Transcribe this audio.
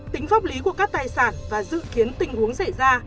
tính pháp lý của các tài sản và dự kiến tình huống xảy ra